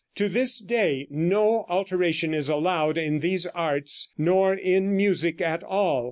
To this day no alteration is allowed in these arts nor in music at all.